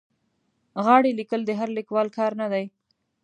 غاړې لیکل د هر لیکوال کار نه دی.